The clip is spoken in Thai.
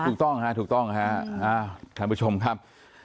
ถูกต้องค่ะถูกต้องค่ะขอบคุณผู้ชมครับ